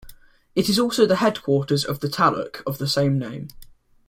It is also the headquarters of the Taluk of the same name.